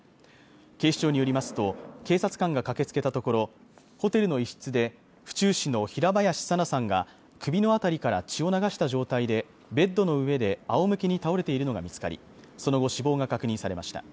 警視庁によりますと警察官が駆けつけたところホテルの一室で府中市の平林さなさんが首の辺りから血を流した状態でベッドの上であおむけに倒れているのが見つかりその後死亡が確認されました